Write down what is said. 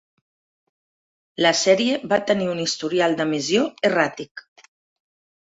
La sèrie va tenir un historial d'emissió erràtic.